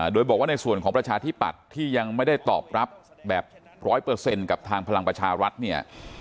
โดยบอกว่าในส่วนของประชาธิปัตย์ที่ยังไม่ได้ตอบรับแบบร้อยเปอร์เซ็นต์กับทางพลังประชารัฐเนี่ย